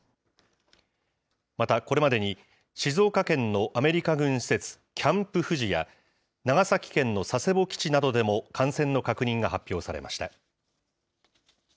また、これまでに静岡県のアメリカ軍施設、キャンプ富士や、長崎県の佐世保基地などでも感染の確認が発表されました。